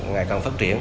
ngày càng phát triển